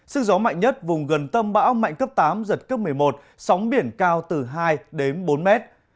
sức gió mạnh nhất vùng gần tâm bão mạnh cấp tám giật cấp một mươi một sóng biển cao từ hai đến bốn mét